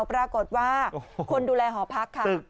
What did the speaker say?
ปรากฏว่าคนดูแลหอพักค่ะ